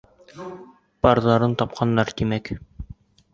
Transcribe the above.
Парҙарын тапҡандар, тимәк.